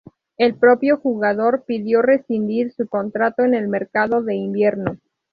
El propio jugador pidió rescindir su contrato en el mercado de invierno.